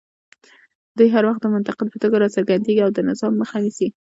دوی هر وخت د منتقد په توګه راڅرګندېږي او د نظام مخه نیسي